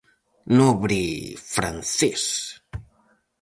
Nobre francés.